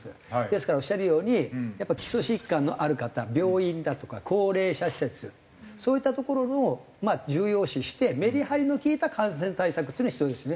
ですからおっしゃるようにやっぱ基礎疾患のある方病院だとか高齢者施設そういった所をまあ重要視してメリハリの利いた感染対策っていうのは必要ですね。